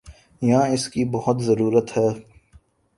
یہاں اس کی بہت ضرورت ہے۔